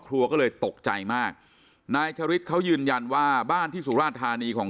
ครัวก็เลยตกใจมากนายชะริดเขายืนยันว่าบ้านที่สุราชธานีของ